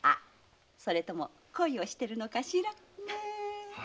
それとも恋をしてるのかしら？